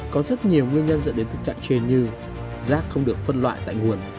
có rất nhiều nguyên nhân dẫn đến thực trạng trên như rác không được phân loại tại nguồn